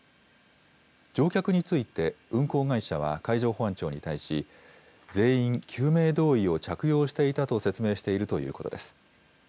乗客について、運航会社は、海上保安庁に対し、全員救命胴衣を着用していたと説明しているということです。